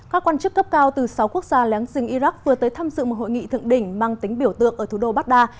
các quan chức cấp cao từ sáu quốc gia léng rừng iraq vừa tới tham dự một hội nghị thượng đỉnh mang tính biểu tượng ở thủ đô baghdad